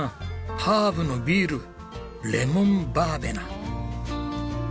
ハーブのビールレモンバーベナ。